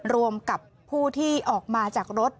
รวมกับผู้ที่ออกมาจากรถ